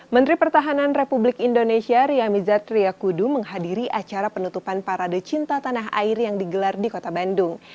menteri pertahanan republik indonesia ria mizar triakudu menghadiri acara penutupan parade cinta tanah air yang digelar di kota bandung